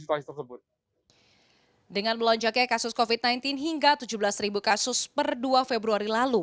dengan melonjaknya kasus covid sembilan belas hingga tujuh belas kasus per dua februari lalu